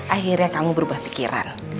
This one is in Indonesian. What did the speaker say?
akhirnya kamu berubah pikiran